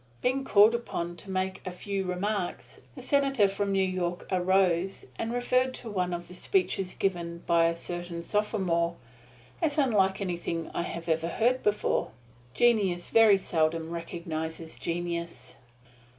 Being called upon to "make a few remarks," the Senator from New York arose and referred to one of the speeches given by a certain sophomore as "unlike anything I ever heard before!" Genius very seldom recognizes genius.